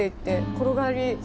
転がり坂」。